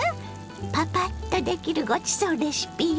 パパッとできるごちそうレシピよ。